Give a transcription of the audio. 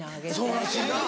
そうらしいな。